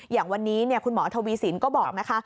อย่างวันนี้คุณหมอทวีสินก็บอกนะคะ